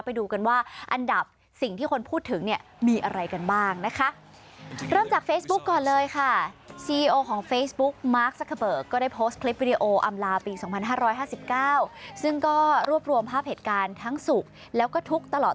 ไปดูกันว่าอันดับสิ่งที่คนพูดถึงเนี่ยมีอะไรกันบ้างนะคะ